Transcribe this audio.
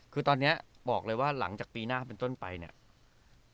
คือตอนนี้บอกเลยว่าหลังจากปีหน้าเป็นต้นไปเนี่ย